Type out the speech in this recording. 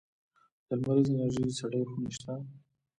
د لمریزې انرژۍ سړې خونې شته؟